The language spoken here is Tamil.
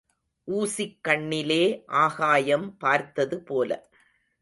ஊசிக் கண்ணிலே ஆகாயம் பார்த்தது போல.